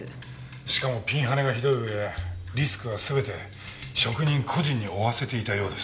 しかもピンハネがひどい上リスクは全て職人個人に負わせていたようです。